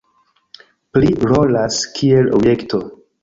Pli rolas kiel objekto.